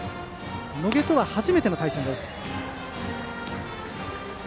野下とは初めての対戦です。